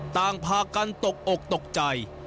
ต่างพากันตกอกตกใจ